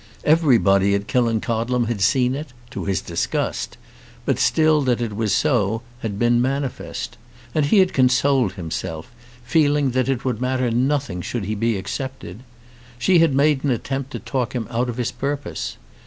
Everybody at Killancodlem had seen it, to his disgust; but still that it was so had been manifest. And he had consoled himself, feeling that it would matter nothing should he be accepted. She had made an attempt to talk him out of his purpose.